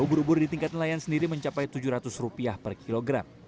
ubur ubur di tingkat nelayan sendiri mencapai rp tujuh ratus per kilogram